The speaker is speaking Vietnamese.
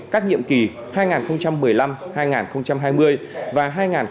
các nhiệm kỳ hai nghìn một mươi năm hai nghìn hai mươi và hai nghìn hai mươi hai nghìn hai mươi năm